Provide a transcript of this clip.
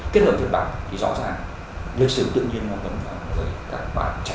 kết hợp thiệt bản thì rõ ràng lịch sử tự nhiên nó tấm vào với các bạn trẻ